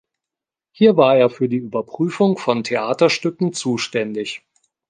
Hier war er für die Überprüfung von Theaterstücken zuständig.